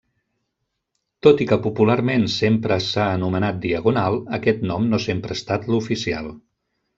Tot i que popularment sempre s'ha anomenat Diagonal, aquest nom no sempre ha estat l'oficial.